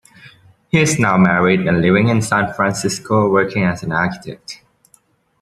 He is now married and living in San Francisco working as an architect.